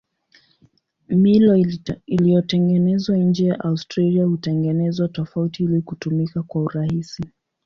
Milo iliyotengenezwa nje ya Australia hutengenezwa tofauti ili kutumika kwa urahisi.